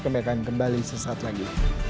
kami akan kembali sesaat lagi